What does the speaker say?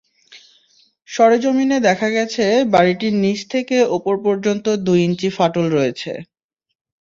সরেজমিনে দেখা গেছে, বাড়িটির নিচ থেকে ওপর পর্যন্ত দুই ইঞ্চি ফাটল রয়েছে।